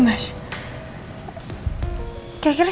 masnya pegali kering